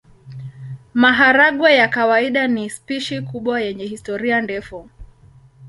Maharagwe ya kawaida ni spishi kubwa yenye historia ndefu.